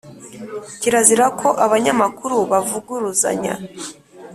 Kirazira ko abanyamakuru bavuguruzanya